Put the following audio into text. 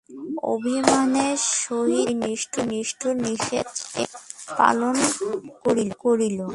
অভিমানের সহিত সেই নিষ্ঠুর নিষেধ সে পালন করিল।